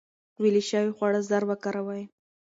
ویلې شوي خواړه ژر وکاروئ.